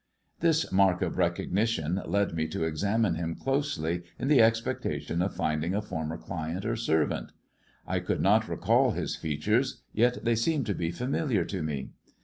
This mark of recognition led me to examine him closely, in the expect ation of finding a former client or servant. I could not recall his features, yet they seemed to be familiar to me.